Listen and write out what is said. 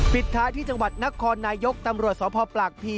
ท้ายที่จังหวัดนครนายกตำรวจสพปากพี